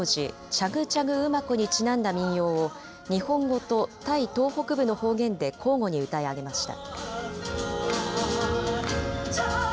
チャグチャグ馬コにちなんだ民謡を日本語とタイ東北部の方言で交互に歌い上げました。